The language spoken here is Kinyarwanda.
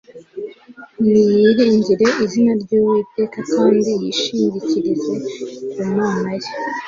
Niyiringire izina ry'Uwiteka, kandi yishingikirize ku Mana ye